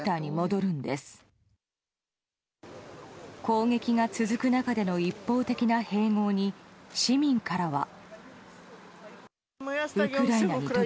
攻撃が続く中での一方的な併合に市民からは。